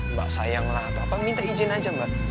mbak sayang lah atau apa minta izin aja mbak